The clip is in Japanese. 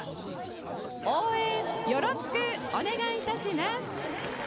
応援、よろしくお願いいたします。